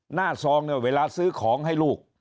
หน้าซองเวลาซื้อของให้ลูก